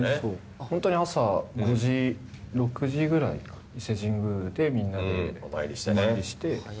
本当に朝５時、６時ぐらいかな、伊勢神宮でみんなでお参りして。